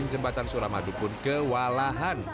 jembatan suramadu pun kewalahan